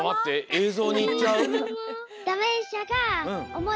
えいぞうにいっちゃう？